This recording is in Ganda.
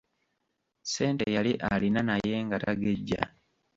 Ssente yali alina naye nga tagejja.